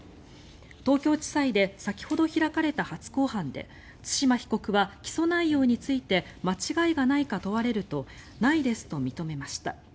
東京地裁で先ほど開かれた初公判で対馬被告は起訴内容について間違いがないか問われるとないですと認めました。